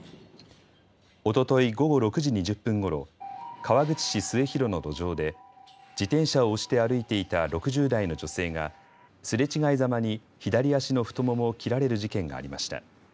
おととい午後６時２０分ごろ川口市末広の路上で自転車を押して歩いていた６０代の女性がすれ違いざまに左足の太ももを切られる事件がありました。